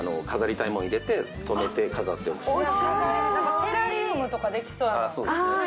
テラリウムとかできそう。